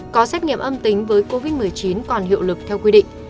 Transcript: có xét nghiệm âm tính với covid một mươi chín còn hiệu lực theo quy định